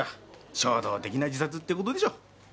衝動的な自殺って事でしょう。